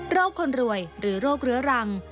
โรคคนรวยหรือโรครัง